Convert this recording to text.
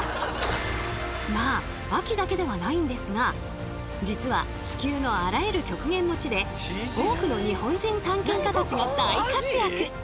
まあ秋だけではないんですが実は地球のあらゆる極限の地で多くの日本人探検家たちが大活躍！